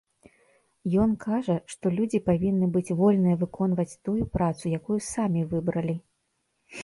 Ён кажа, што людзі павінны быць вольныя выконваць тую працу, якую самі выбралі.